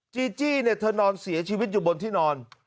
จีจี้เนี่ยเธอนอนเสียชีวิตอยู่บนที่นอน